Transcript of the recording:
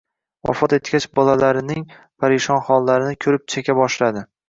Vafot etgach, bolalarnin parishon hollarini ko'rib cheka boshladi.